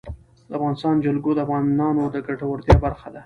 د افغانستان جلکو د افغانانو د ګټورتیا برخه ده.